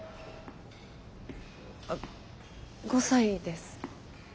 あっ５歳です。